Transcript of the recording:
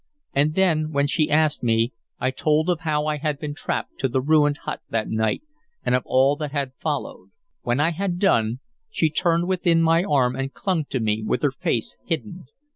And then, when she asked me, I told of how I had been trapped to the ruined hut that night and of all that had followed. When I had done she turned within my arm and clung to me with her face hidden.